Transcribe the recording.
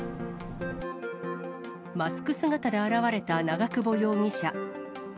マスク姿で現れた長久保容疑者。